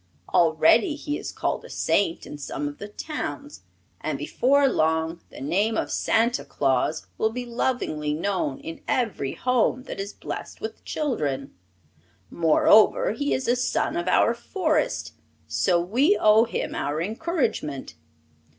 Already he is called a Saint in some of the towns, and before long the name of Santa Claus will be lovingly known in every home that is blessed with children. Moreover, he is a son of our Forest, so we owe him our encouragement.